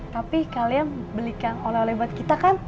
tapi kalian belikan oleh oleh buat kita kan